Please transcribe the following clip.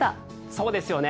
そうですよね。